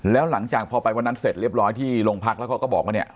แล้วหลังจากพอไปวันนั้นเสร็จเรียบร้อยที่โรงพักแล้วเขาก็บอกว่าเนี่ย